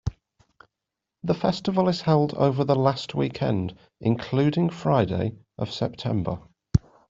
The festival is held over the last weekend, including Friday, of September.